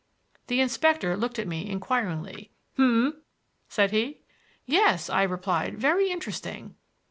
The inspector looked at me inquiringly. "H'm?" said he. "Yes," I replied. "Very interesting."